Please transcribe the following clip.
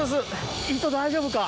糸大丈夫か？